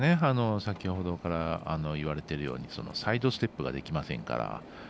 先ほどからいわれているようにサイドステップができませんから。